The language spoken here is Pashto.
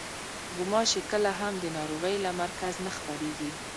غوماشې کله هم د ناروغۍ له مرکز نه خپرېږي.